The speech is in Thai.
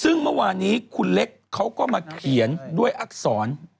ซึ่งเมื่อวานี้คุณเล็กเขาก็มาเขียนด้วยอักษร